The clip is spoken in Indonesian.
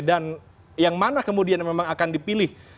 yang mana kemudian memang akan dipilih